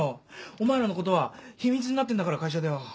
お前らのことは秘密になってんだから会社では。